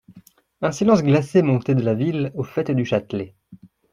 Un silence glacé montait de la ville au faite du Châtelet.